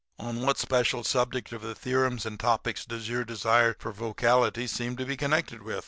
"'On what special subject of the theorems and topics does your desire for vocality seem to be connected with?'